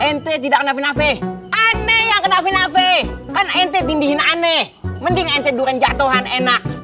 ente tidak nafih nafih aneh yang kena nafih nafih kan ente ting dihina aneh mending ente durian jatohan enak